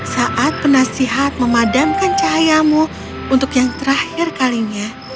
saat penasihat memadamkan cahayamu untuk yang terakhir kalinya